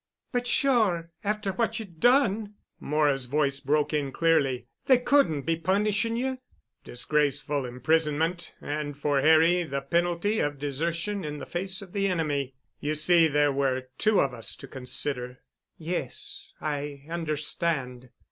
"But sure, after what you'd done," Moira's voice broke in clearly, "they couldn't be punishing you——" "Disgraceful imprisonment—and for Harry—the penalty of desertion in the face of the enemy. You see there were two of us to consider." "Yes, I understand."